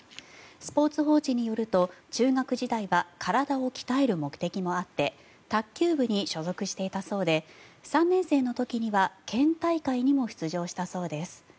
スポーツ報知によると中学時代は体を鍛える目的もあって卓球部に所属していたそうで３年生の時には県大会にも出場したそうです。